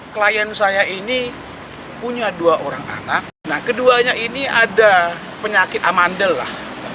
klien saya ini punya dua orang anak nah keduanya ini ada penyakit amandel lah